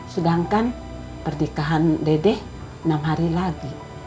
sedangkan pernikahan dedeh enam hari lagi